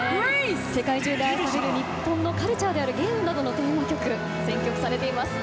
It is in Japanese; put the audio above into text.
世界中で愛される日本のカルチャーであるゲームなどのテーマ曲を選曲されています。